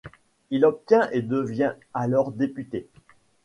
Il obtient et devient alors député.